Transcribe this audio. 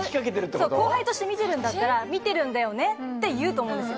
そう後輩として見てるんだったら「見てるんだよね」って言うと思うんですよ・